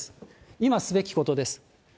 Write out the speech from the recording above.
今すべきことです。